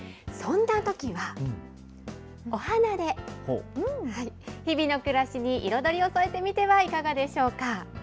そんなときは、お花で日々の暮らしに彩りを添えてみてはいかがでしょうか。